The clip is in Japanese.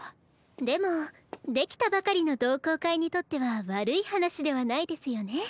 でも出来たばかりの同好会にとっては悪い話ではないですよね？